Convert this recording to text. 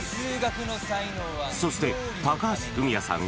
そして高橋文哉さん